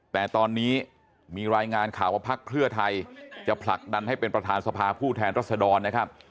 แต่ตอนนี้มีรายงานข่าวว่าพักเพื่อไทยจะผลักดันให้เป็นประธานสภาผู้แทนรัศดรนะครับ